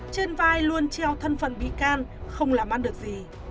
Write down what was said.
trên vai luôn treo thân phần bị can không làm ăn được gì